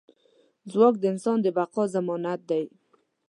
ځواک د انسان د بقا ضمانت دی.